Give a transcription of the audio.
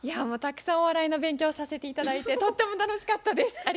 もうたくさんお笑いの勉強させて頂いてとっても楽しかったです。